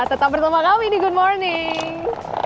tetap bersama kami di good morning